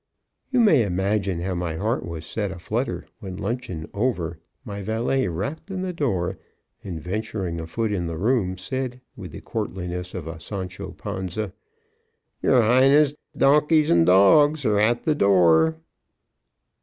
You may imagine how my heart was set aflutter when luncheon over, my valet rapped on the door and, venturing a foot in the room, said, with the courtliness of a Sancho Panza, "Your highness' donkeys and dogs are at the door."